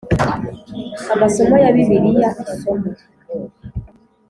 Amasomo ya Bibiliya isomo